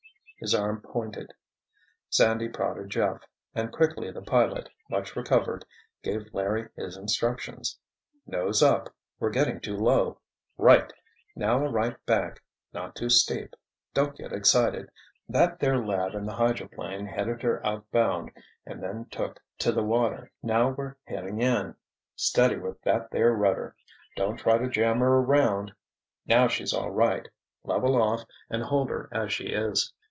His arm pointed. Sandy prodded Jeff, and quickly the pilot, much recovered, gave Larry his instructions. "Nose up—we're getting too low. Right! Now a right bank—not too steep. Don't get excited. That there lad in the hydroplane headed her outbound and then took to the water. Now we're heading in—steady with that there rudder—don't try to jam her around—now she's all right. Level off and hold her as she is."